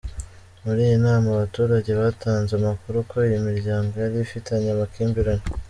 Muri iyi nama abaturage batanze amakuru ko iyi miryango yari ifitanye amakimbirane.